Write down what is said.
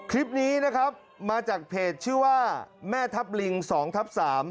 คลิปนี้นะครับมาจากเพจชื่อว่าแม่ทัพลิง๒ทับ๓